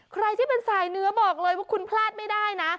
ใครที่เป็นสายเนื้อบอกเลยว่าคุณพลาดไม่ได้นะ